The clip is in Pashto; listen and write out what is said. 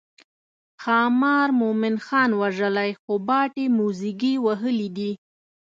ښامار مومن خان وژلی خو باټې موزیګي وهلي دي.